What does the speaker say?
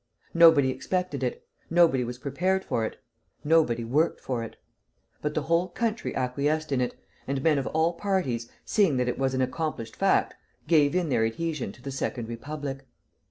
Nobody expected it, nobody was prepared for it, nobody worked for it; but the whole country acquiesced in it, and men of all parties, seeing that it was an accomplished fact, gave in their adhesion to the Second Republic.